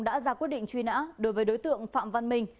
đã ra quyết định truy nã đối với đối tượng phạm văn minh